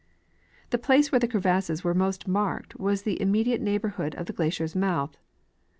The place where the crevasses were most marked was the im mediate neighborhood of the glacier's mouth.